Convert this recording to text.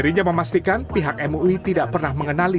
dirinya memastikan pihak mui tidak pernah mengenali